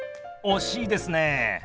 惜しいですね。